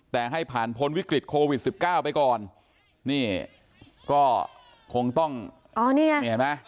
แต่ให้ผ่านพ้นวิกฤตโควิดสิบเก้าไปก่อนนี่ก็คงต้องอ๋อนี่ไงนี่เห็นไหม